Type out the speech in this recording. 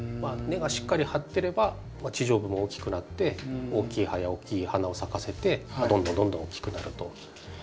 根がしっかり張ってれば地上部も大きくなって大きい葉や大きい花を咲かせてどんどんどんどん大きくなると。